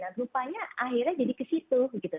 ya rupanya akhirnya jadi ke situ gitu